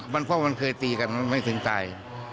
พ่อมันเคยตีกันมันไม่ถึงตาย